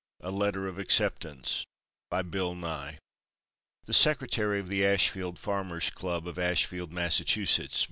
A Letter of Acceptance The secretary of the Ashfield Farmer's Club, of Ashfield, Mass.